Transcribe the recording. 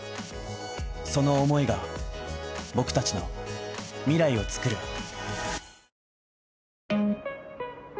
その思いが僕達の未来をつくる